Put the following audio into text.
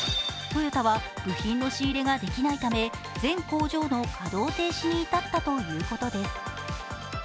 トヨタは部品の仕入れができないため、全工場の稼働停止に至ったということです。